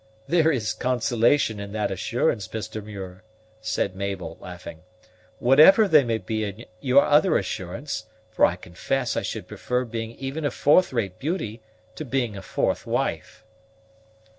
"There is consolation in that assurance, Mr. Muir," said Mabel, laughing, "whatever there may be in your other assurance; for I confess I should prefer being even a fourth rate beauty to being a fourth wife."